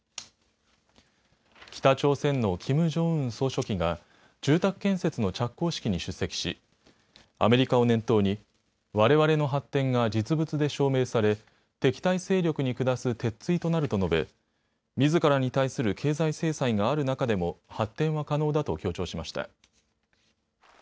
北朝鮮のキム・ジョンウン総書記が住宅建設の着工式に出席しアメリカを念頭にわれわれの発展が実物で証明され敵対勢力に下す鉄ついとなると述べみずからに対する経済制裁がある中でも発展は可能だと強調しました。